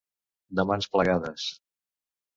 De mans plegades.